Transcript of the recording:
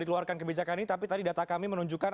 dikeluarkan kebijakan ini tapi tadi data kami menunjukkan